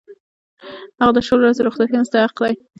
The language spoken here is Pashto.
هغه د شلو ورځو رخصتۍ مستحق دی.